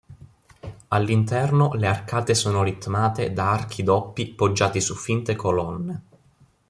All'interno le arcate sono ritmate da archi doppi poggiati su finte colonne.